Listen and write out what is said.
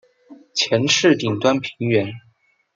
前翅顶端平圆。